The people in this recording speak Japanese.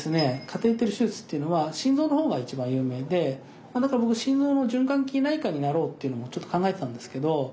カテーテル手術っていうのは心臓の方が一番有名で心臓の循環器内科医になろうっていうのもちょっと考えてたんですけど